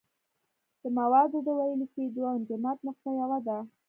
د موادو د ویلې کېدو او انجماد نقطه یوه ده.